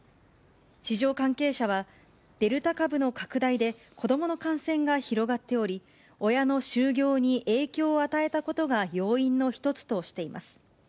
市場関係者は、デルタ株の拡大で、子どもの感染が広がっており、親の就業に影響を与えたことが要因の一つとしています。